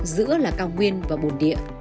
giữa là cao nguyên và bồn địa